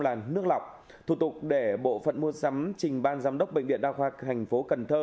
là nước lọc thủ tục để bộ phận mua sắm trình ban giám đốc bệnh viện đa khoa thành phố cần thơ